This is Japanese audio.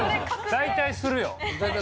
大体するよ。